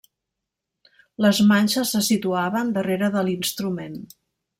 Les manxes se situaven darrere de l'instrument.